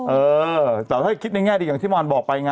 เออแต่ถ้าคิดง่ายดีอย่างที่มันบอกไปอย่างไร